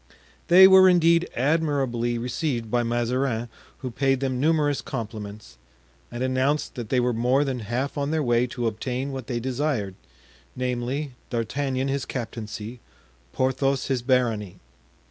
They were indeed admirably received by Mazarin, who paid them numerous compliments, and announced that they were more than half on their way to obtain what they desired, namely, D'Artagnan his captaincy, Porthos his barony.